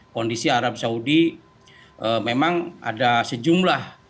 kondisi arab saudi memang ada sejumlah